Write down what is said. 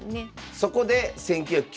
そこで１９９５年